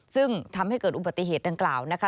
ซึ่งทำให้เกิดอุบัติเหตุดังกล่าวนะคะ